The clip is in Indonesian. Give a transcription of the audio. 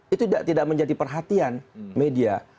itu tidak menjadi perhatian media